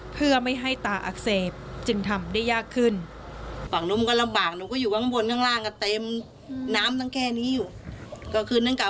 เพื่อไม่ให้ตาอักเสบจึงทำได้ยากขึ้น